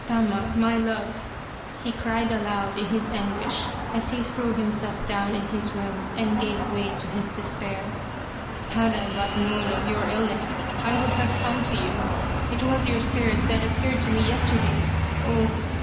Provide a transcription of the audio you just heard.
Tama ! My love !" he cried aloud in his anguish, as he threw himself down in his room and gave way to his despair. " Had I but known of your illness I would have come to you. It was your spirit that appeared to me yesterday. Oh